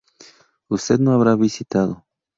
Usted no habrá visitado